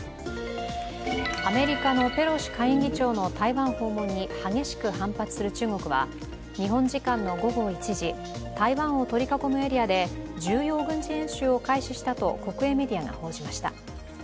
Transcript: アメリカのペロシ下院議長の台湾訪問に激しく反発する中国は日本時間の午後１時、台湾を取り囲むエリアで重要軍事演習を開始したと国営メディアが報じました。